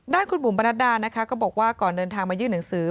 คุณบุ๋มประนัดดานะคะก็บอกว่าก่อนเดินทางมายื่นหนังสือ